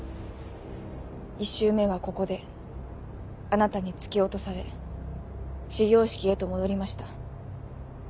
１周目はここであなたに突き落とされ始業式へと戻りました。